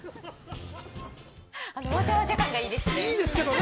あのわちゃわちゃ感がいいですね。